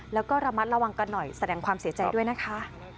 แล้วก็ระมัดระวังกันหน่อยแสดงความเสียใจด้วยนะคะ